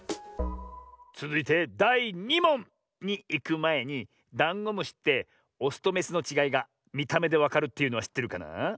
つづいてだい２もん！にいくまえにダンゴムシってオスとメスのちがいがみためでわかるというのはしってるかな？